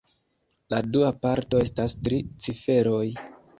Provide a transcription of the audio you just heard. La dua parto estas tri ciferoj.